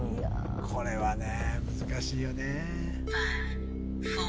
これはね難しいよね